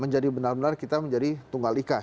jadi benar benar kita menjadi tunggal ikah